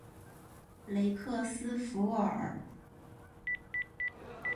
雷克斯弗尔。